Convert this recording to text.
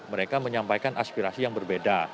mereka menyampaikan aspirasi yang berbeda